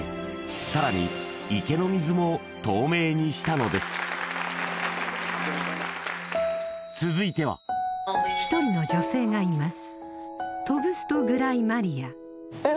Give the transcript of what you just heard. さらに池の水も透明にしたのです１人の女性がいます